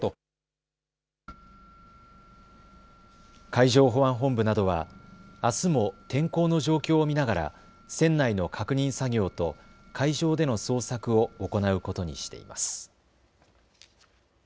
海上保安本部などは、あすも天候の状況を見ながら船内の確認作業と海上での捜索を行うことにしています。